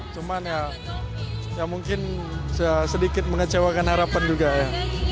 cuman ya mungkin sedikit mengecewakan harapan juga ya